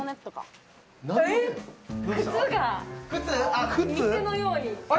靴が店のように。